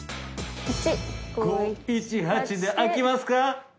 ８！５１８で開きますか？